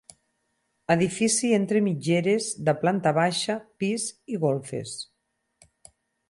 Edifici entre mitgeres, de planta baixa, pis i golfes.